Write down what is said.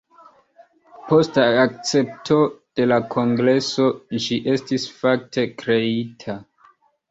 Post akcepto de la Kongreso ĝi estis fakte kreita.